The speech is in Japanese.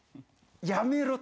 やめろと。